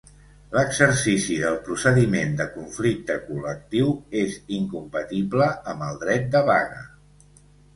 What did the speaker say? L'exercici del procediment de conflicte col·lectiu és incompatible amb el dret de vaga.